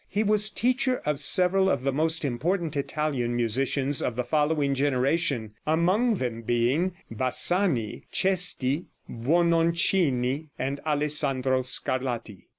He was teacher of several of the most important Italian musicians of the following generation, among them being Bassani, Cesti, Buononcini and Alessandro Scarlatti.